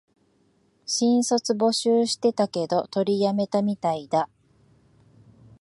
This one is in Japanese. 新卒募集してたけど、取りやめたみたいだ